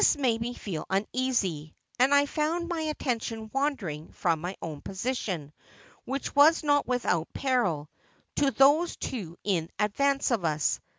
' This made me feel uneasy, and I found my attention wandering from my own position, which was not without peril, to those two in advance of us.